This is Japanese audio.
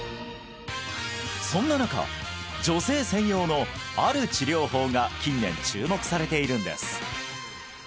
そんな中女性専用のある治療法が近年注目されているんです